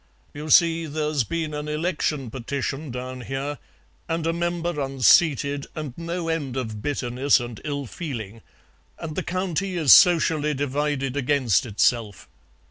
"You see, there's been an election petition down here, and a member unseated and no end of bitterness and ill feeling, and the County is socially divided against itself.